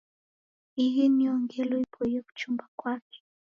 Ihi niyo ngelo ipoie kuchumba kwake.